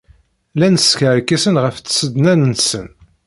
Llan skerkisen ɣef tsednan-nsen.